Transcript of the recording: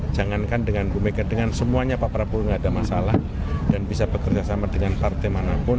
jangankan dengan bu mega dengan semuanya pak prabowo tidak ada masalah dan bisa bekerja sama dengan partai manapun